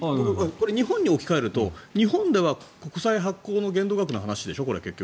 これ、日本に置き換えると日本では国債発行の限度額の話でしょ、これ結局。